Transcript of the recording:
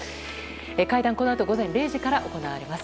会談はこのあと午前０時から行われます。